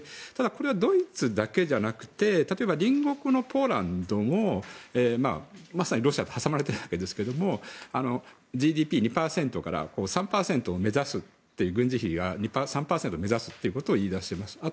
ただこれはドイツだけじゃなくて例えば隣国のポーランドもまさにロシアに挟まれているわけですが軍事費、ＧＤＰ２％から３％を目指すと言い出しています。